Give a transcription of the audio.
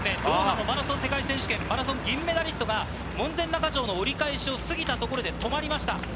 ドーハのマラソン世界選手権銀メダリストが門前仲町の折り返しを過ぎたところで止まりました。